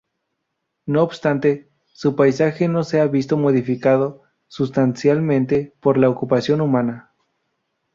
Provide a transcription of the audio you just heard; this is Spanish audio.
No obstante, su paisaje no se ha visto modificado sustancialmente por la ocupación humana.